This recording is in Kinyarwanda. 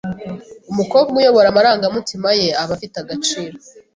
Umukobwa uyobora amarangamutima ye aba afite agaciro.